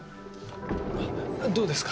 どうですか？